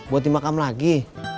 buat di makam lagi